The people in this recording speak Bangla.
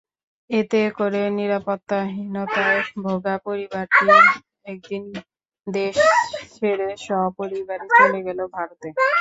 এতে করে নিরাপত্তাহীনতায় ভোগা পরিবারটি একদিন দেশ ছেড়ে সপরিবারে চলে গেল ভারতে।